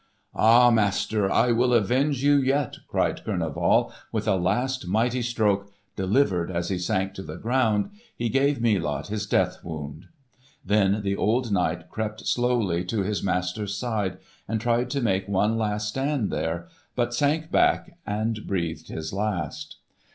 "Ha, master, I will avenge you yet!" cried Kurneval. with a last mighty stroke, delivered as he sank to the ground, he gave Melot his death wound. Then the old knight crept slowly to his master's side and tried to make one last stand there, but sank back and breathed his last.